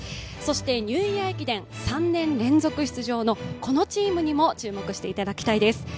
そしてニューイヤー駅伝３年連続出場のこのチームにも注目していただきたいです。